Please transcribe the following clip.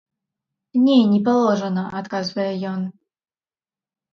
Не, не паложана, адказвае ён.